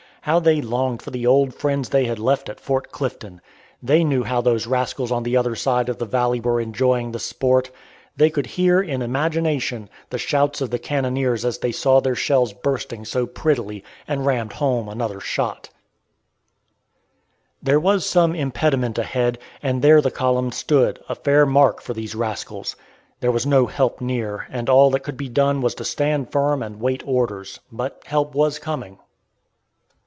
How they longed for the old friends they had left at Fort Clifton. They knew how those rascals on the other side of the valley were enjoying the sport. They could hear, in imagination, the shouts of the cannoniers as they saw their shells bursting so prettily, and rammed home another shot. There was some impediment ahead, and there the column stood, a fair mark for these rascals. There was no help near, and all that could be done was to stand firm and wait orders; but help was coming.